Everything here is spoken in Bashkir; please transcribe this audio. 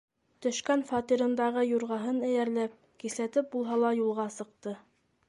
Төшкән фатирындағы юрғаһын эйәрләп, кисләтеп булһа ла юлға сыҡты.